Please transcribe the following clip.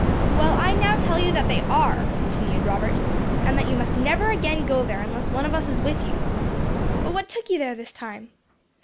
"Well, I now tell you that they are," continued Robert, "and that you must never again go there unless one of us is with you. But what took you there this time?"